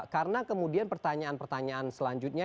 karena kemudian pertanyaan pertanyaan selanjutnya